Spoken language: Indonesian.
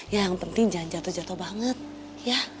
yang penting jangan jatuh jatuh banget ya